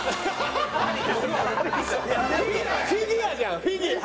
フィギュアじゃんフィギュア。